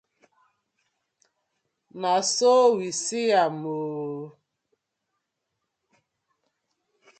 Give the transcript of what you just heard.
Na so we see am oo.